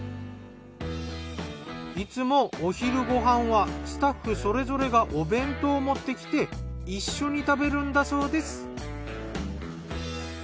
いつもお昼ご飯はスタッフそれぞれがお弁当を持ってきて一緒に食べるんだそうです。